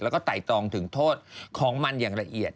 แล้วก็ไต่ตองถึงโทษของมันอย่างละเอียด